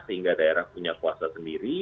sehingga daerah punya kuasa sendiri